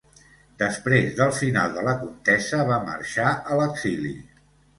Després del final de la contesa va marxar a l'exili.